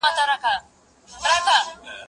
زه اوږده وخت موسيقي اورم وم